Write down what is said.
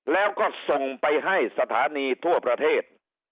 แล้วก็ส่งไปให้สถานีทั่วประเทศ